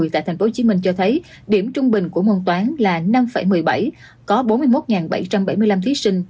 tại tp hcm cho thấy điểm trung bình của môn toán là năm một mươi bảy có bốn mươi một bảy trăm bảy mươi năm thí sinh